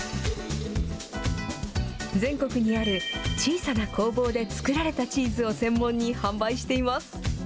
全国にある小さな工房で作られたチーズを専門に販売しています。